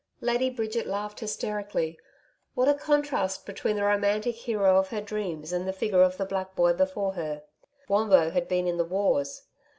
Lady Bridget laughed hysterically. What a contrast between the romantic hero of her dreams and the figure of the black boy before her. Wombo had been in the wars.